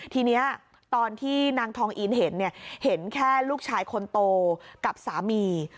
ทีนี้ตอนที่นางทองอีนเห็นเห็นแค่ลูกชายคนโตกับสามี